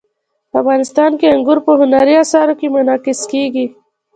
افغانستان کې انګور په هنري اثارو کې منعکس کېږي.